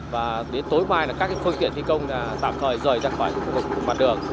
và đến tối mai là các phương tiện thi công tạm thời rời ra khỏi khu vực mặt đường